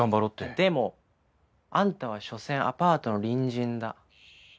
でもあんたはしょせんアパートの隣人だ。